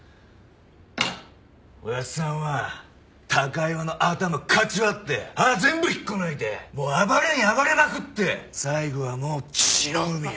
おやっさんは高岩の頭かち割って歯全部引っこ抜いてもう暴れに暴れまくって最後はもう血の海よ。